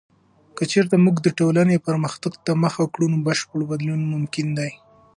که چیرته موږ د ټولنې پرمختګ ته مخه وکړو، نو بشپړ بدلون ممکن دی.